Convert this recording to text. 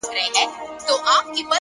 ژور انسان ژورې پوښتنې کوي.!